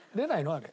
あれ。